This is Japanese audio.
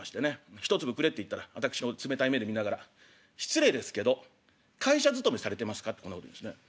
１粒くれって言ったら私を冷たい目で見ながら「失礼ですけど会社勤めされてますか？」ってこんなこと言うんですね。